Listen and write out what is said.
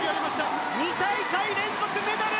２大会連続メダル！